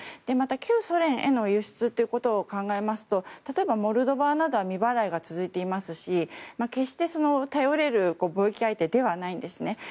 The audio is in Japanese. また、旧ソ連への輸出ということを考えますと例えばモルドバなどは未払いが続いていますし決して、頼れる貿易相手ではないんですね。